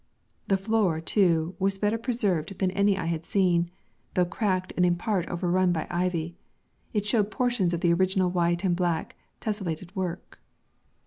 The floor, too, was better preserved than any I had seen; though cracked and in part overrun by ivy, it showed portions of the original white and black tessellated work.